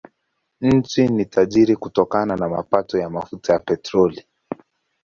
Nchi ni tajiri kutokana na mapato ya mafuta ya petroli.